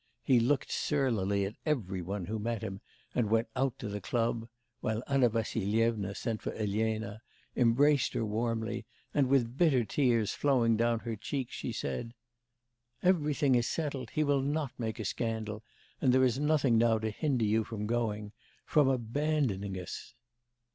He looked surlily at every one who met him, and went out to the club; while Anna Vassilyevna sent for Elena, embraced her warmly, and, with bitter tears flowing down her cheeks, she said: 'Everything is settled, he will not make a scandal, and there is nothing now to hinder you from going from abandoning us.